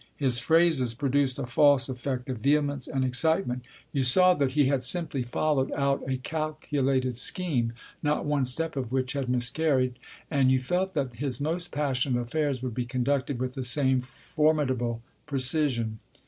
His phrases produced a false effect of vehemence and excitement. You saw that he 24 Tasker Jevons had simply followed out a calculated scheme, not one step of which had miscarried. And you felt that his most passionate affairs would be conducted with the same formidable precision.